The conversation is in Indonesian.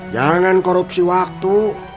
jangan korupsi waktu